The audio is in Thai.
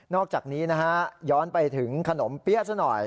อกจากนี้นะฮะย้อนไปถึงขนมเปี้ยซะหน่อย